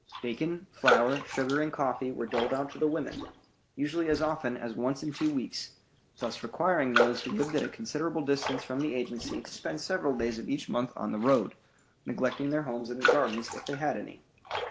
Bacon, flour, sugar, and coffee were doled out to the women, usually as often as once in two weeks, thus requiring those who lived at a considerable distance from the agency to spend several days of each month on the road, neglecting their homes and gardens, if they had any.